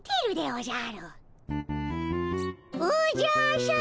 おじゃ！